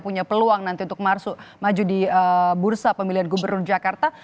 punya peluang nanti untuk maju di bursa pemilihan gubernur jakarta